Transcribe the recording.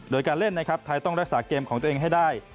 โดยการเล่นนะครับไทยต้องรักษาเกมของตัวเองให้ได้